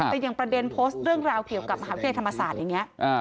แต่อย่างประเด็นโพสต์เรื่องราวเกี่ยวกับมหาวิทยาลัยธรรมศาสตร์อย่างนี้